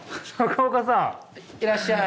中岡さん。